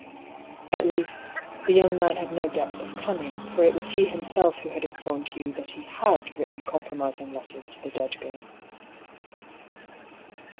At least, the young man had no depth of cun ning; for it was he himself who had informed Hugh that he had written compromising letters to the dead girl. A MORAL DUEL.